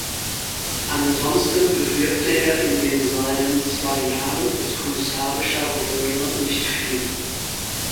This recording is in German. Ansonsten bewirkte er in den seinen zwei Jahren als kommissarischer Gouverneur nicht viel.